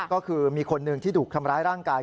ก็คือมีคนหนึ่งที่ถูกทำร้ายร่างกาย